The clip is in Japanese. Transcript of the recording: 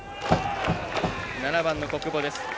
７番の小久保です。